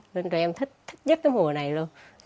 nên tụi em thích nhất cái mùa này luôn